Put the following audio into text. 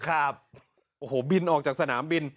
ครับโอ้โหบินออกจากสนามบิน